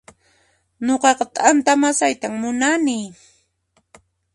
Nuqaqa t'anta masaytan munani